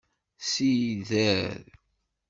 Sider.